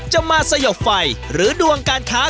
จะมาสยบไฟหรือดวงการค้า